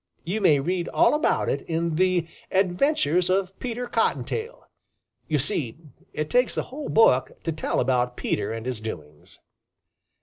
You may read all about it in The Adventures of Peter Cottontail. You see it takes a whole book to tell all about Peter and his doings.